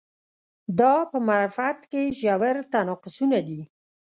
دا په معرفت کې ژور تناقضونه دي.